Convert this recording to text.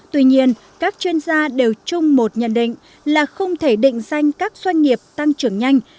tuy nhiên các chuyên gia đều chung một nhận định là không thể định danh các doanh nghiệp tăng trưởng nhanh